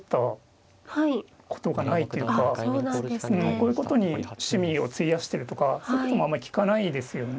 こういうことに趣味を費やしてるとかそういうこともあんまり聞かないですよね。